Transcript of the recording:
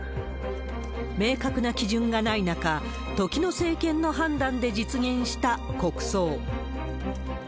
明確な基準がない中、時の政権の判断で実現した国葬。